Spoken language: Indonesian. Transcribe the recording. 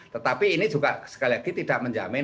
tetapi ini juga sekali lagi tidak menjamin